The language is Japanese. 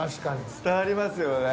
伝わりますよね。